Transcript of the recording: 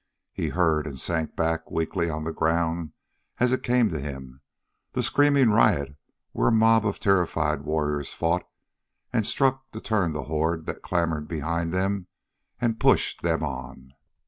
He heard, and sank back weakly on the ground as it came to him, the screaming riot where a mob of terrified warriors fought and struck to turn the horde that clamored behind them and pushed them on.